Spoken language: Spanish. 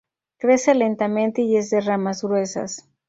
Crece lentamente y es de ramas gruesas.